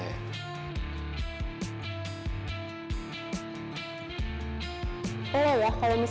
ketika dia kecewa boy juga nangis